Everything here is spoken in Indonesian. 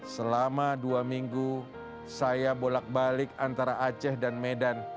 selama dua minggu saya bolak balik antara aceh dan medan